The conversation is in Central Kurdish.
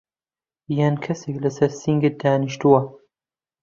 یان کەسێک لەسەر سنگت دانیشتووه؟